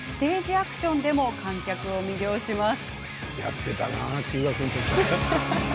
アクションでも観客を魅了します。